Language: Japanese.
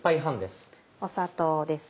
砂糖です。